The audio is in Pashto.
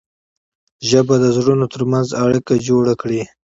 ژبه د زړونو ترمنځ اړیکه جوړه کړي